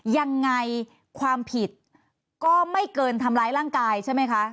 ยังไงความผิดก็ไม่เกินทำร้ายร่างกายใช่ไหมคะ